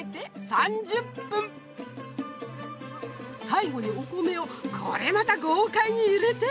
最後にお米をこれまた豪快に入れて。